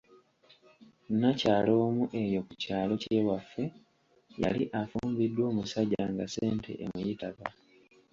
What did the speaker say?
Nnakyala omu eyo ku kyalo kye waffe, yali afumbiddwa omusajja nga ssente emuyitaba.